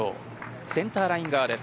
センターライン側です。